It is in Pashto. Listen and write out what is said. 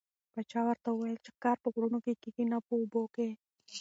پاچا ورته وویل چې ښکار په غرونو کې کېږي نه په اوبو کې.